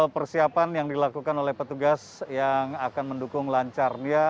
persiapan yang dilakukan oleh petugas yang akan mendukung lancarnya